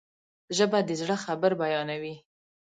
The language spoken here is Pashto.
ژبه د زړه خبر بیانوي